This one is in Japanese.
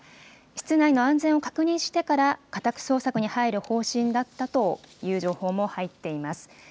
室内の安全を確認してから、家宅捜索に入る方針だったという情報も入っています。